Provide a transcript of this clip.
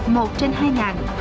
một trên hai ngàn